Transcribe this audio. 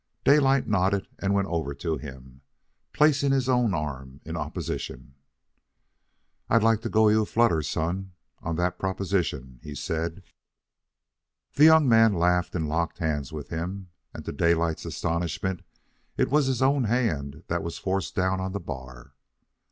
Daylight nodded and went over to him, placing his own arm in opposition. "I'd like to go you a flutter, son, on that proposition," he said. The young man laughed and locked hands with him; and to Daylight's astonishment it was his own hand that was forced down on the bar.